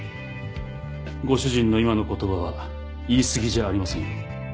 ご主人の今の言葉は言いすぎじゃありませんよ。